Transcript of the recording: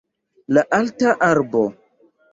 La alta arbo